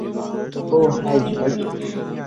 Oh, hi George!